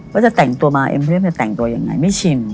ว่าจะแต่งตัวมาเอ็มเรียมจะแต่งตัวยังไงไม่ชิน